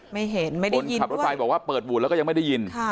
คนขับรถไฟบอกว่าเปิดบูดแล้วก็ยังไม่ได้ยิน